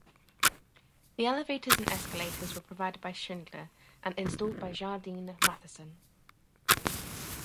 The elevators and escalators were provided by Schindler and installed by Jardine Matheson.